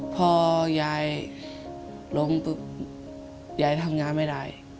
พอยายล้มปุ๊บยายทำงานไม่ได้